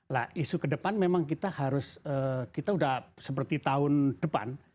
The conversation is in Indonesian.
nah isu ke depan memang kita harus kita sudah seperti tahun depan